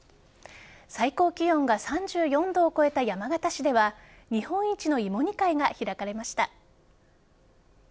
最高気温が３４度を超えた山形市では日本一の芋煮会が開かれました。